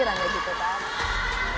nanya gitu kan